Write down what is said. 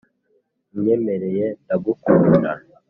unyenyemere ndagukunda